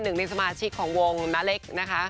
๑ในสมาชิกของวงนาเล๊กนะคะ